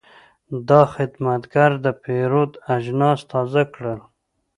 دا خدمتګر د پیرود اجناس تازه کړل.